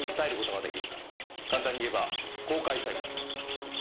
簡単に言えば公開裁判です。